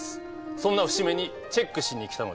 そんな節目にチェックしに来たのですが。